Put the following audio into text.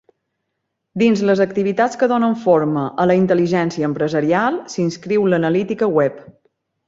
Dins les activitats que donen forma a la intel·ligència empresarial s'inscriu l'analítica web.